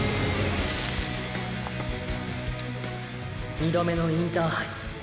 ２度目のインターハイ